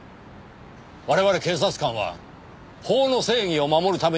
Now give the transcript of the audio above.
我々警察官は法の正義を守るためにいるんです。